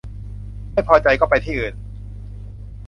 ไม่พอใจก็ไปที่อื่น